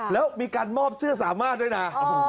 แล้วมีการมอบเสื้อสามารถด้วยนะ